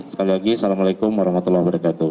sekali lagi assalamualaikum warahmatullahi wabarakatuh